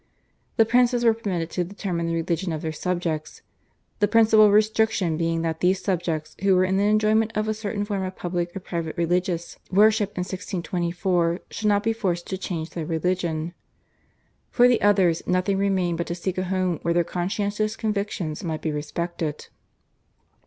The princes were permitted to determine the religion of their subjects, the principal restriction being that those subjects who were in the enjoyment of a certain form of public or private religious worship in 1624 should not be forced to change their religion. For the others nothing remained but to seek a home where their conscientious convictions might be respected.